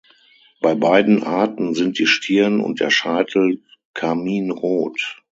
Bei beiden Arten sind die Stirn und der Scheitel karminrot.